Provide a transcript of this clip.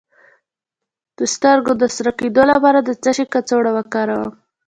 د سترګو د سره کیدو لپاره د څه شي کڅوړه وکاروم؟